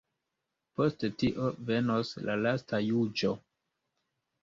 Post tio venos la lasta juĝo.